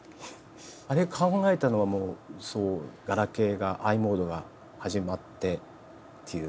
あれ考えたのはもうガラケーがｉモードが始まってっていうころだと思いますね。